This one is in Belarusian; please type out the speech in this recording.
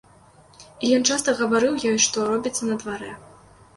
І ён часта гаварыў ёй, што робіцца на дварэ.